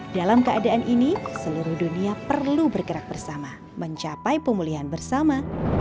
dalam keadaan ini seluruh dunia perlu bergerak bersama mencapai pemulihan bersama